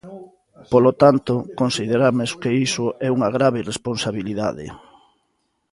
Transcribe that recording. Polo tanto, consideramos que iso é unha grave irresponsabilidade.